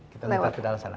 kita lewat ke dalam sana